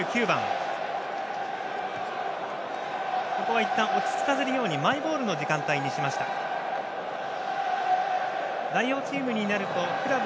いったん落ち着かせるようにマイボールの時間帯にしたポーランド。